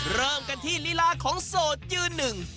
เริ่มกันที่ลีลาของโสดยืนหนึ่ง